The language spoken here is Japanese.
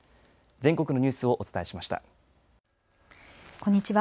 こんにちは。